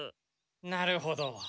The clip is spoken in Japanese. なるほど。